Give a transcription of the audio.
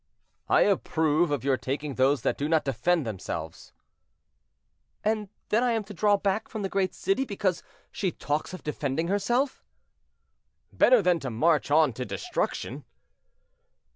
"I approve of your taking those that do not defend themselves." "And then I am to draw back from the great city because she talks of defending herself?" "Better than to march on to destruction."